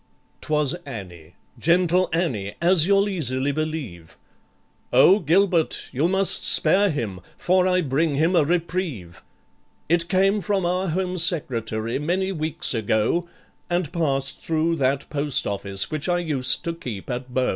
'Twas ANNIE, gentle ANNIE, as you'll easily believe. "O GILBERT, you must spare him, for I bring him a reprieve, It came from our Home Secretary many weeks ago, And passed through that post office which I used to keep at Bow.